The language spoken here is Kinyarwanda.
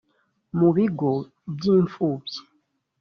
mu bigo by imfubyi